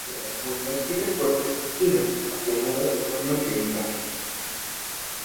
La periferia de las vueltas tiene fuertes espinas aplanadas de forma triangular.